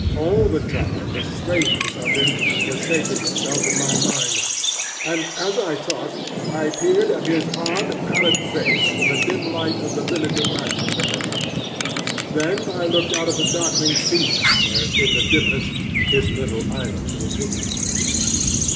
All the time the strangeness of him was shaping itself in my mind; and as I talked I peered at his odd, pallid face in the dim light of the binnacle lantern behind me. Then I looked out at the darkling sea, where in the dimness his little island was hidden.